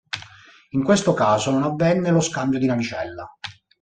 In questo caso non avvenne lo scambio di navicella.